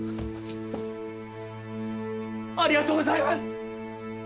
ありがとうございます！